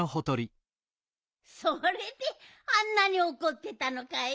それであんなにおこってたのかい。